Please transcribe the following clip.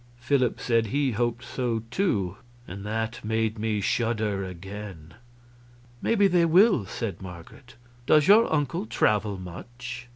Philip said he hoped so, too; and that made me shudder again. "Maybe they will," said Marget. "Does your uncle travel much?"